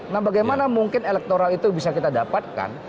nah bagaimana mungkin elektoral itu bisa kita dapatkan